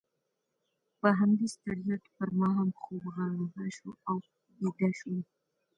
په همدې ستړیا کې پر ما هم خوب غالبه شو او بیده شوم.